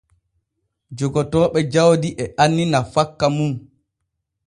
Jogotooɓe jawdi e anni nafakka mum.